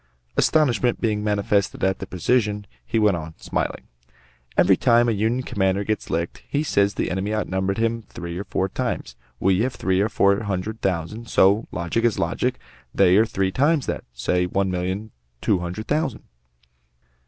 Astonishment being manifested at the precision, he went on, smiling: "Every time a Union commander gets licked, he says the enemy outnumbered him three or four times. We have three or four hundred thousand, so logic is logic! they are three times that; say, one million two hundred thousand."